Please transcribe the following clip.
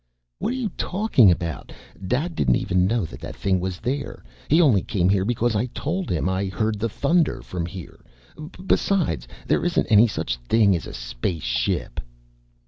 "What are you talking about? Dad didn't even know that thing was there. He only came here because I told him I heard the thunder from here. Besides, there isn't any such thing as a space ship."